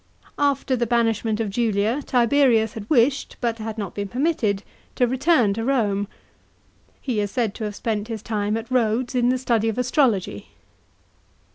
After the banish ment of Julia, Tiberius had wished, but had not been permitted, to return to Rome. He is said to have spent his time at Rhodes in the study of astrology.